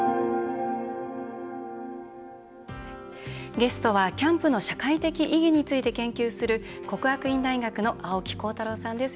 ゲストはキャンプの社会的意義について研究する國學院大學の青木康太朗さんです。